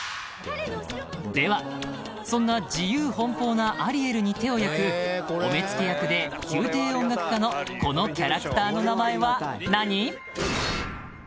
［ではそんな自由奔放なアリエルに手を焼くお目付役で宮廷音楽家のこのキャラクターの名前は何？］